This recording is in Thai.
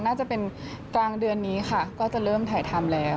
น่าจะเป็นกลางเดือนนี้ค่ะก็จะเริ่มถ่ายทำแล้ว